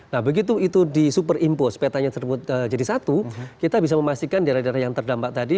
nah begitu itu disuper impos petanya tersebut jadi satu kita bisa memastikan daerah daerah yang terdampak tadi